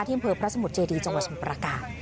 อำเภอพระสมุทรเจดีจังหวัดสมุทรประการ